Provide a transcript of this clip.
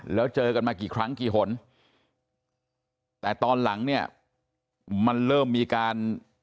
แล้วเจอกันมากี่ครั้งกี่หนแต่ตอนหลังเนี่ยมันเริ่มมีการ